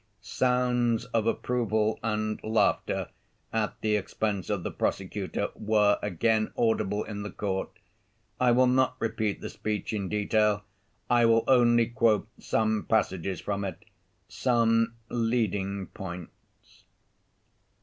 Sounds of approval and laughter, at the expense of the prosecutor, were again audible in the court. I will not repeat the speech in detail; I will only quote some passages from it, some leading points.